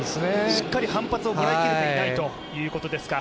しっかり反発をとらえきれてないということですか。